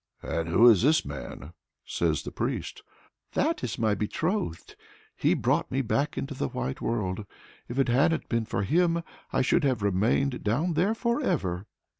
"And who is this man?" says the priest. "That is my betrothed. He brought me back into the white world; if it hadn't been for him I should have remained down there for ever!"